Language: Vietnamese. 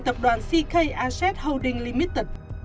tập đoàn ck asset holding limited